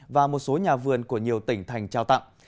và một số nhà vườn của nhiều tỉnh thành trao tặng